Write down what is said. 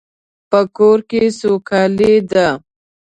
په کور کې سوکالی ده